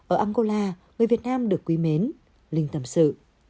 ở angola người việt nam được quý mến linh tâm sự